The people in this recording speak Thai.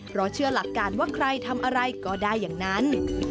เพราะเชื่อหลักการว่าใครทำอะไรก็ได้อย่างนั้น